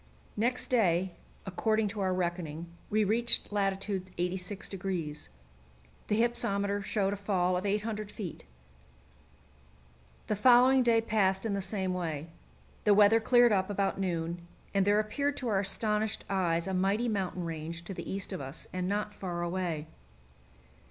Next day, according to our reckoning, we reached lat. 86°. The hypsometer showed a fall of 800 feet. The following day passed in the same way. The weather cleared up about noon, and there appeared to our astonished eyes a mighty mountain range to the east of us, and not far away.